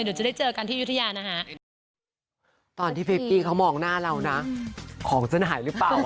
เดี๋ยวจะได้เจอกันที่อยุธยานะฮะ